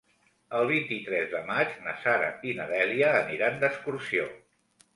El vint-i-tres de maig na Sara i na Dèlia aniran d'excursió.